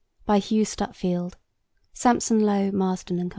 By Hugh Stutfield. (Sampson Low, Marston and Co.)